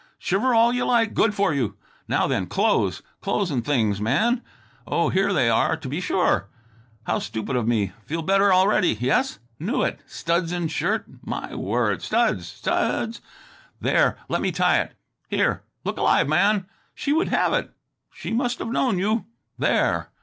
Shiver all you like. Good for you! Now then clothes! Clothes and things, Man! Oh, here they are to be sure! How stupid of me! Feel better already, yes? Knew it. Studs in shirt. My word! Studs! Studs! There! Let me tie it. Here! Look alive man! She would have it. She must have known you. There!"